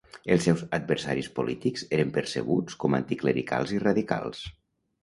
Els seus adversaris polítics eren percebuts com anticlericals i radicals.